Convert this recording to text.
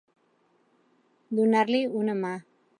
Donar-li una mà.